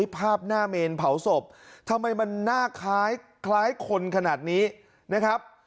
ภาพหน้าเมนเผาศพทำไมมันหน้าคล้ายคนขนาดนี้นะครับ